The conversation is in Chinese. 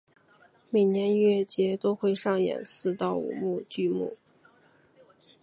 每年音乐节都会上演四到五幕剧目。